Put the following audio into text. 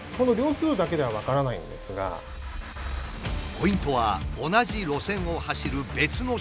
ポイントは同じ路線を走る別の車両。